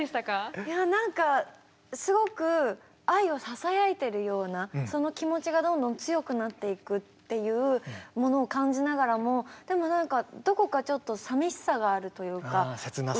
いやなんかすごく愛をささやいてるようなその気持ちがどんどん強くなっていくっていうものを感じながらもでもなんかあせつなさが。